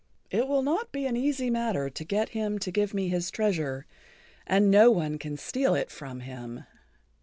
It will not be an easy matter to get him to give me his treasure, and no one can steal it from him.